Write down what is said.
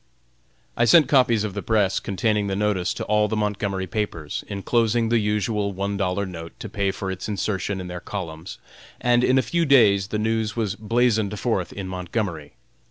I sent copies of the Press containing this notice to all the Montgomery papers, enclosing the usual one dollar note to pay for its insertion in their columns, and in a few days the news was blazoned forth in Montgomery.